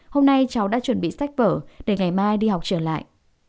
hôm nay cháu đã chuẩn bị sách vở để ngày mai đi học trở lại